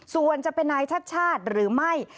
ส่วนจะเป็นนายชัดชาติหรือไม่